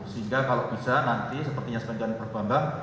sehingga kalau bisa nanti sepertinya sepanjang berbambang